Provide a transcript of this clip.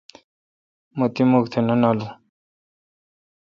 مہ تی مھک تہ نہ نالو۔